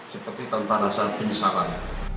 seperti tanpa rasa penyesalan